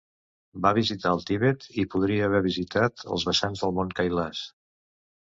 Va visitar el Tibet i podria haver visitat els vessants del mont Kailas.